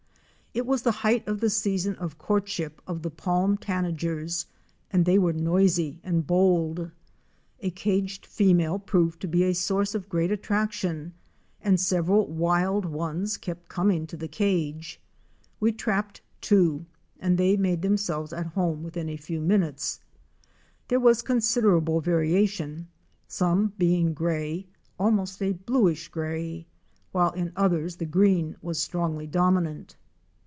It was the height of the season of courtship of the Palm * and they were noisy and bold. A caged fe male proved to be a source of great attraction and several wild ones kept coming to the cage. We trapped two and they made themselves at home within a few minutes. There was considerable variation, some being gray, almost Tanagers ™ a bluish gray, while in others the green was strongly dominant.